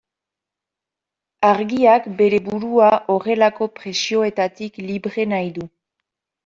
Argiak bere burua horrelako presioetatik libre nahi du.